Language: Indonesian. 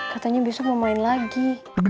katanya besok mau main lagi